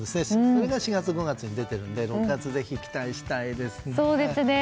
それが４月５月に出てるので６月、ぜひ期待したいですね。